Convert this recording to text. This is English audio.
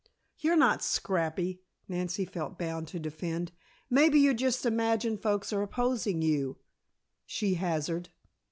"You're not scrappy," Nancy felt bound to defend. "Maybe you just imagine folks are opposing you," she hazarded.